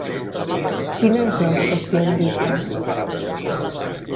Quina és la ubicació d'Eritras?